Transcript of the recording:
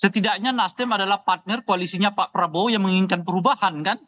setidaknya nasdem adalah partner koalisinya pak prabowo yang menginginkan perubahan kan